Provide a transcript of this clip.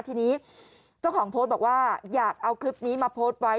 ทีนี้เจ้าของโพสต์บอกว่าอยากเอาคลิปนี้มาโพสต์ไว้